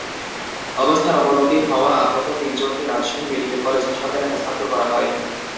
অবস্থার অবনতি হওয়া আহত তিনজনকে রাজশাহী মেডিকেল কলেজ হাসপাতালে স্থানান্তর করা হয়।